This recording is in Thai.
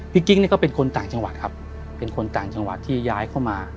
กิ๊กนี่ก็เป็นคนต่างจังหวัดครับเป็นคนต่างจังหวัดที่ย้ายเข้ามา